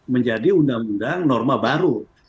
menjadi undang undang norma baru